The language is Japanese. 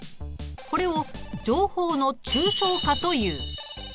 これを情報の抽象化という。